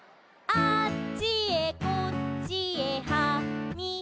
「あっちへこっちへはみだした」